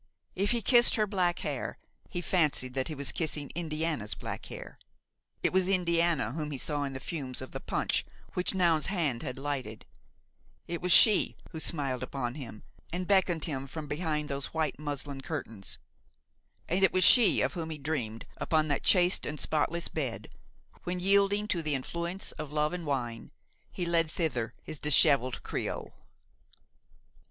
If he kissed her black hair, he fancied that he was kissing Indiana's black hair. It was Indiana whom he saw in the fumes of the punch which Noun's hand had lighted; it was she who smiled upon him and beckoned him from behind those white muslin curtains; and it was she of whom he dreamed upon that chaste and spotless bed, when, yielding to the influence of love and wine, he led thither his dishevelled creole.